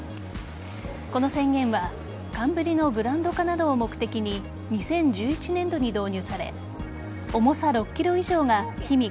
この宣言は寒ブリのブランド化などを目的に２０１１年度に導入され重さ６ｋｇ以上がひみ